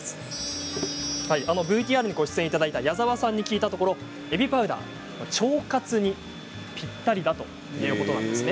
ＶＴＲにご出演いただいた矢澤さんに聞いたところえびパウダーは腸活にぴったりだということなんです。